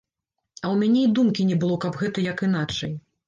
А ў мяне і думкі не было, каб гэта як іначай.